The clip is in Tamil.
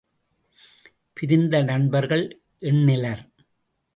பிரிந்த நண்பர்கள் எண்ணிலர்!